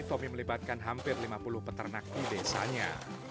tommy melibatkan hampir lima puluh peternak di desanya